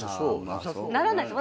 ならないです。